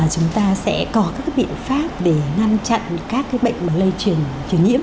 chúng ta sẽ có các biện pháp để ngăn chặn các cái bệnh mà lây truyền nhiễm